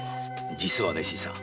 実はね新さん。